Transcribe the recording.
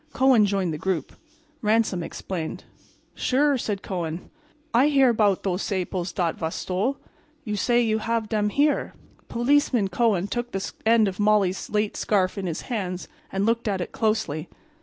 Kohen joined the group. Ransom explained. "Sure," said Kohen. "I hear about those saples dat vas stole. You say you have dem here?" Policeman Kohen took the end of Molly's late scarf in his hands and looked at it closely.